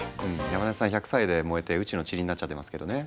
山根さん１００歳で燃えて宇宙のちりになっちゃってますけどね。